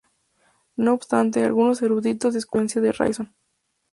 No obstante, algunos eruditos discuten la influencia de Raison.